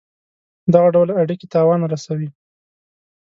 دغه ډول اړېکي تاوان رسوي.